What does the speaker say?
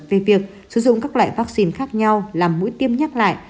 về việc sử dụng các loại vaccine khác nhau làm mũi tiêm nhắc lại